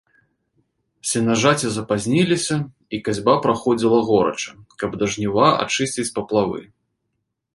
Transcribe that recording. Сенажаці запазніліся, і касьба праходзіла горача, каб да жніва ачысціць паплавы.